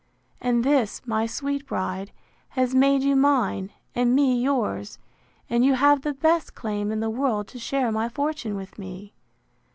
And this, my sweet bride, has made you mine, and me yours; and you have the best claim in the world to share my fortune with me.